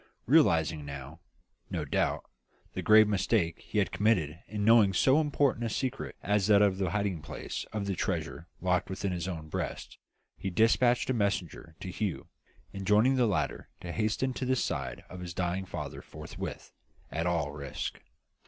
Realising now, no doubt, the grave mistake he had committed in keeping so important a secret as that of the hiding place of the treasure locked within his own breast, he despatched a messenger to Hugh, enjoining the latter to hasten to the side of his dying father forthwith, at all risks.